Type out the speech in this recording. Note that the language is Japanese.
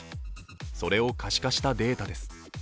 それを可視化したデータです。